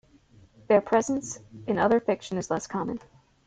Their presence in other fiction is less common.